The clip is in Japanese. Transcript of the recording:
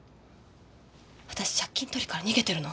私借金取りから逃げてるの。